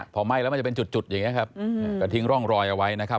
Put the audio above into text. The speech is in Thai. พอไหม้แล้วมันจะเป็นจุดอย่างนี้ครับก็ทิ้งร่องรอยเอาไว้นะครับ